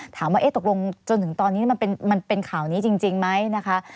ถามว่าตกลงจนถึงตอนนี้มันเป็นข่าวนี้จริงไหมนะคะ